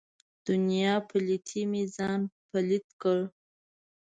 دنیا په پلیتۍ مې ځان پلیت کړ.